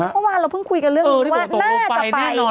เมื่อวานเราเพิ่งคุยกันเรื่องนี้ว่าน่าจะไป